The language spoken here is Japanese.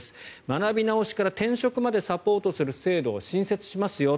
学び直しから転職までサポートする制度を新設しますよ。